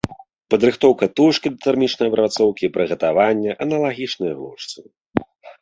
Падрыхтоўка тушкі да тэрмічнай апрацоўкі і прыгатаванне аналагічныя глушцу.